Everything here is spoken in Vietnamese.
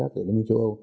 rất là hiếu khách